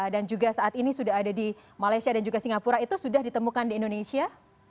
dan juga saat ini sudah ada di malaysia dan juga singapura itu sudah ditemukan di indonesia